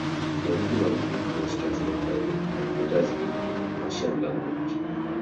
The original Hindu was translated by the interpreters into the Persian language.